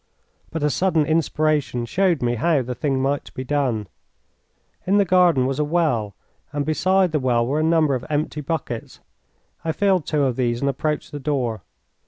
But a sudden inspiration showed me how the thing might be done. In the garden was a well, and beside the well were a number of empty buckets. I filled two of these, and approached the door.